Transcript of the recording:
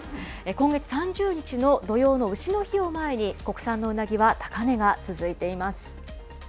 今月３０日の土用のうしの日を前に、国産のうなぎは高値が続いています。